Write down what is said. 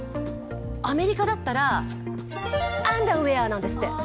アメリカだったらアンダーウェアなんですって。